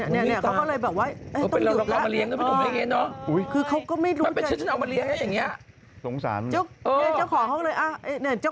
นี่เขาก็เลยแบบว่า